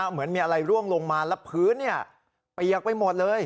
เหมือนมีอะไรร่วงลงมาแล้วพื้นเปียกไปหมดเลย